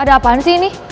ada apaan sih ini